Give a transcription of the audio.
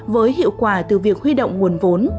với hiệu quả từ việc huy động nguồn vốn